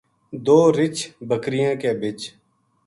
دو رچھ بکریاں کے بچ